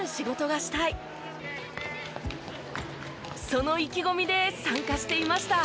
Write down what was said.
その意気込みで参加していました。